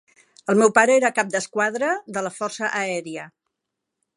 El meu pare era cap d'esquadra de la Força Aèria